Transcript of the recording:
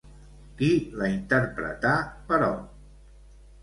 Qui la interpreta, però?